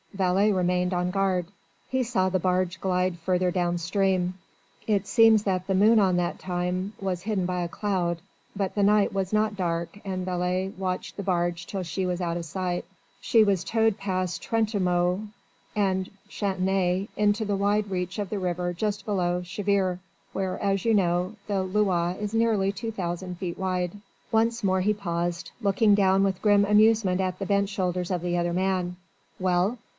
Vailly remained on guard. He saw the barge glide further down stream. It seems that the moon at that time was hidden by a cloud. But the night was not dark and Vailly watched the barge till she was out of sight. She was towed past Trentemoult and Chantenay into the wide reach of the river just below Cheviré where, as you know, the Loire is nearly two thousand feet wide." Once more he paused, looking down with grim amusement on the bent shoulders of the other man. "Well?"